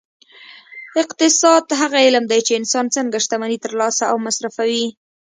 اقتصاد هغه علم دی چې انسان څنګه شتمني ترلاسه او مصرفوي